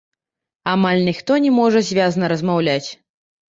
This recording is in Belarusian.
Амаль ніхто не можа звязна размаўляць.